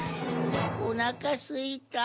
おなかすいた。